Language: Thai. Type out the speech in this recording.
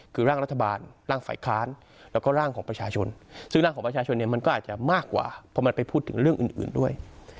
คือร่างรัฐบาลร่างฝ่ายค้านแล้วก็ร่างของประชาชนซึ่งร่างของประชาชนเนี่ยมันก็อาจจะมากกว่าพอมันไปพูดถึงเรื่องอื่นด้วย